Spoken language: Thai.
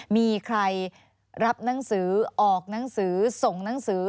มีใครรับหนังสือออกหนังสือส่งหนังสือ